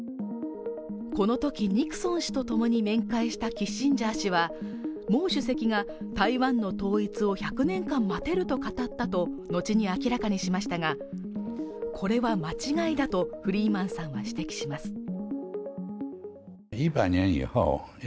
この時ニクソン氏とともに面会したキッシンジャー氏はもう主席が台湾の統一を１００年間待てると語ったと後に明らかにしましたがこれは間違いだとフリーマンさんは指摘します